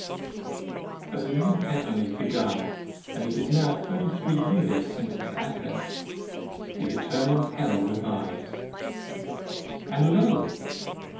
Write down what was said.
As a new heaven is begun, and it is now thirty three years since its advent, the Eternal Hell revives. And lo!